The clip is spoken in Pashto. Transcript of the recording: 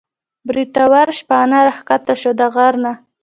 بریتور شپانه راکښته شو د غر نه